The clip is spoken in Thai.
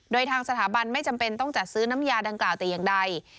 โดยทางสถาบันไม่จำเป็นต้องจัดซื้อน้ำยาดังกล่าวแต่อย่างใด